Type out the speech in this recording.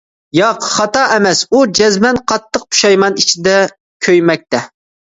ياق، خاتا ئەمەس. ئۇ جەزمەن قاتتىق پۇشايمان ئىچىدە كۆيمەكتە!